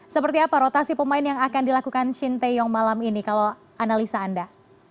seperti apa rotasi pemain yang akan dilakukan shin taeyong malam ini kalau analisa anda